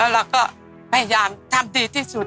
เราก็พยายามทำดีที่สุด